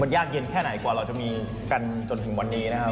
ยากเย็นแค่ไหนกว่าเราจะมีกันจนถึงวันนี้นะครับ